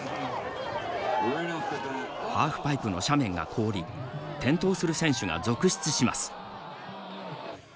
ハーフパイプの斜面が凍り転倒する選手が続出します。